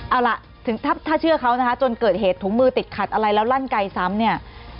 เอาล่ะถ้าเชื่อเขานะคะจนเกิดเหตุถุงมือติดขัดอะไรแล้วลั่นไกลซ้ำเนี่ย